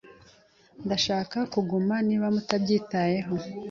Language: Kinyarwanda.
Ndashaka kuguma niba mutabyitayeho.